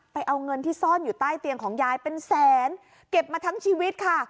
เอาเงินที่ซ่อนอยู่ใต้เตียงของยายเป็นแสนเก็บมาทั้งชีวิตค่ะ